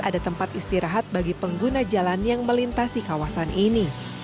ada tempat istirahat bagi pengguna jalan yang melintasi kawasan ini